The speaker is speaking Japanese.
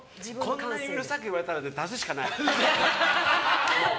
こんなにうるさく言われたらね足すしかない。